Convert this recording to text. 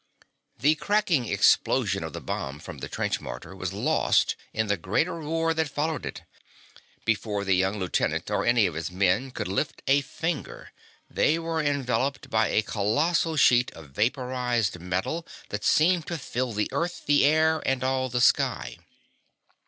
The cracking explosion of the bomb from the trench mortar was lost in the greater roar that followed it. Before the young lieutenant or any of his men could lift a finger they were enveloped by a colossal sheet of vaporized metal that seemed to fill the earth, the air, and all the sky.